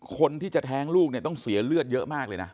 คนที่จะแท้งลูกเนี่ยต้องเสียเลือดเยอะมากเลยนะ